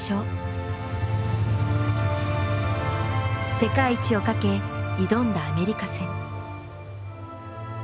世界一をかけ挑んだアメリカ戦。